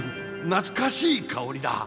なつかしい香りだ。